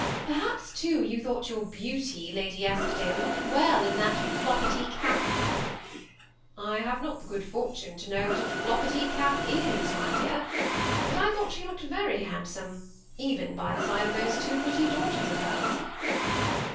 Perhaps, too, you thought your heaiity, Lady Eskdale, looked well in that floppety cap ?"" I have not the good fortune to know what a floppety cap is, my dear ; but I thought she looked very hand some, even by the side of those two pretty daughters of hers."